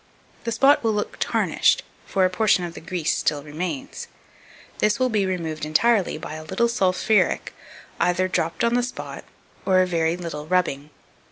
The spot will look tarnished, for a portion of the grease still remains: this will be removed entirely by a little sulphuric ether dropped on the spot, and a very little rubbing.